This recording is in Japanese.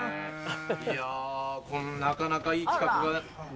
いやぁなかなかいい企画が。